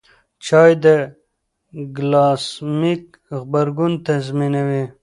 چای د ګلاسیمیک غبرګون تنظیموي.